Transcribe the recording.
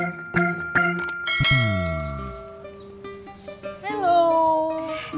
oh ya makasih pak ustadz